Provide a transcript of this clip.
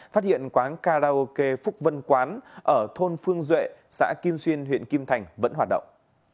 phát hiện quán karaoke phúc vân quán ở thôn phương duệ xã kim xuyên huyện kim thành vẫn hoạt động